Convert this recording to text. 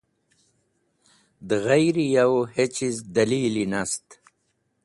Dẽ ghayri yow hechiz dalili nast.